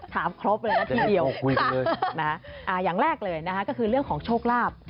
ถามครบเลยนะพี่เดี๋ยวนะฮะอย่างแรกเลยนะฮะก็คือเรื่องของชกลาบ